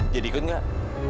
dia diikut nggak